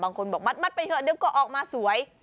บางคนบอกมัดไปเถอะเดี๋ยวก็ออกมาสวย